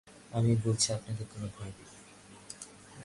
আমি বলছি আপনাদের কোনো ভয় নেই।